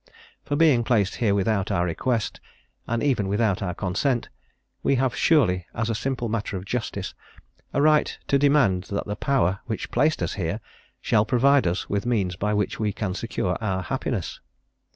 For being placed here without our request, and even without our consent, we have surely, as a simple matter of justice, a right to demand that the Power which placed us here shall provide us with means by which we can secure our happiness.